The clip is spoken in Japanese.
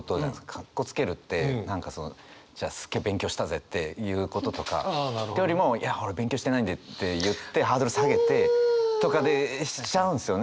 カッコつけるって何かそのじゃあすっげえ勉強したぜっていうこととかというよりもいや俺勉強してないんでって言ってハードル下げてとかでしちゃうんですよね